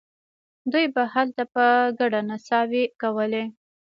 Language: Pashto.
دوی به هلته په ګډه نڅاوې کولې.